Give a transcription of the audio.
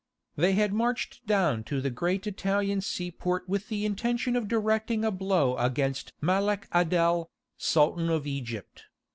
They had marched down to the great Italian seaport with the intention of directing a blow against Malek Adel, Sultan of Egypt.